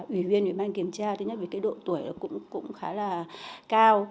đối với ban kiểm tra thứ nhất là cái độ tuổi cũng khá là cao